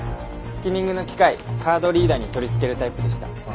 スキミングの機械カードリーダーに取り付けるタイプでした。